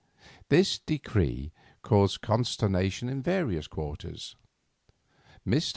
This decree caused consternation in various quarters. Mr.